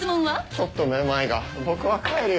ちょっと目まいが僕は帰るよ。